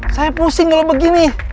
saya pusing kalau begini